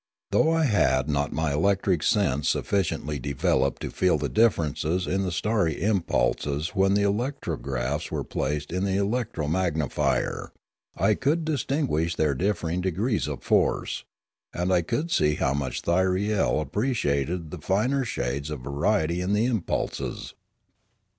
Though I had not my electric sense sufficiently developed to feel the differ ences in the starry impulses when the electrographs were placed in the electro magnifier, I could distin guish their differing degrees of force, and I could see how much Thyriel appreciated the fine shades of variety in the impulses.